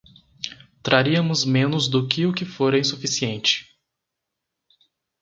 Traríamos menos do que o que fora insuficiente